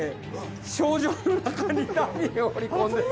賞状の中にダミー放り込んで。